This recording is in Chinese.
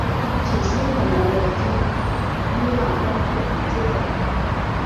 起初可能为今伊朗东部统治者。